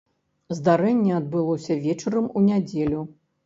Здарэнне адбылося вечарам у нядзелю.